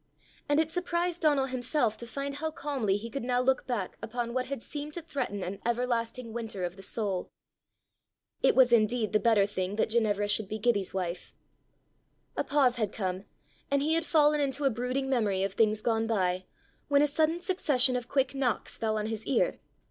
And it surprised Donal himself to find how calmly he could now look back upon what had seemed to threaten an everlasting winter of the soul. It was indeed the better thing that Ginevra should be Gibbie's wife! A pause had come, and he had fallen into a brooding memory of things gone by, when a sudden succession of quick knocks fell on his ear.